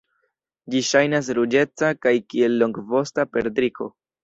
Ĝi ŝajnas ruĝeca kaj kiel longvosta perdriko.